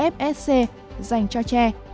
fsc dành cho tre